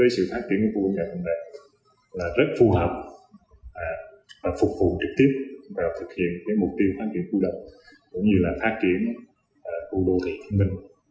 cũng như là phát triển khu đô thị